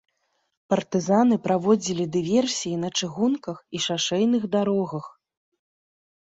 Партызаны праводзілі дыверсіі на чыгунках і шашэйных дарогах.